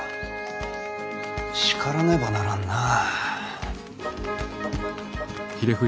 叱らねばならんなあ。